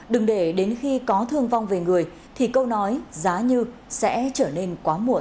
đừng để đến khi có thương vong về người thì câu nói giá như sẽ trở nên quá muộn